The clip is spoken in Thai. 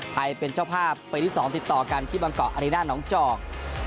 เป็นเจ้าภาพปีที่๒ติดต่อกันที่บางเกาะอารีน่าน้องจอก